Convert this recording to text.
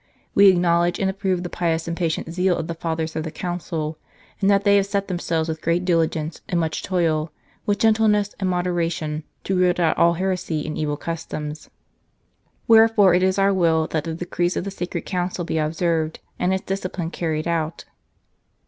We acknowledge and approve the pious and patient zeal of the fathers of the Council, in that they have set themselves with great diligence and much toil, with gentleness and moderation, to root out all heresy and evil customs. Wherefore it is our will that the decrees of the Sacred Council be observed, and its discipline carried out."